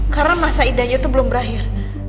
karena masa idanya tuh belum berakhir